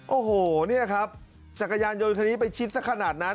โอ้โหเนี่ยครับจักรยานยนต์คันนี้ไปชิดสักขนาดนั้น